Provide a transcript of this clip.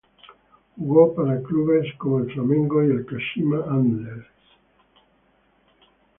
Jugó para clubes como el Flamengo y Kashima Antlers.